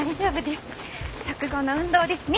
食後の運動ですね！